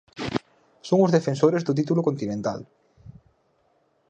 Son os defensores do título continental.